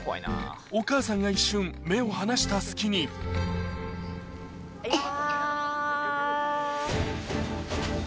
お母さんが一瞬目を離した隙にうっ。